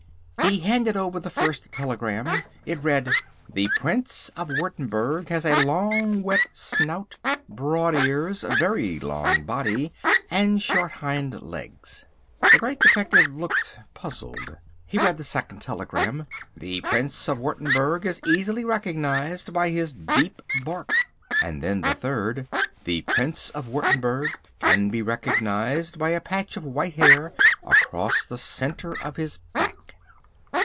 He handed over the first telegram. It read: "The Prince of Wurttemberg has a long, wet snout, broad ears, very long body, and short hind legs." The Great Detective looked puzzled. He read the second telegram. "The Prince of Wurttemberg is easily recognised by his deep bark." And then the third. "The Prince of Wurttemberg can be recognised by a patch of white hair across the centre of his back."